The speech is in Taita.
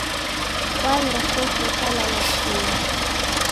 Wanywa chofi ukalala chienyi.